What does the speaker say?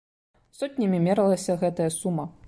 Сотнямі мералася гэтая сума!